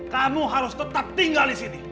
kamu harus tetap tinggal disini